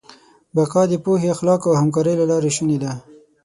بقا د پوهې، اخلاقو او همکارۍ له لارې شونې ده.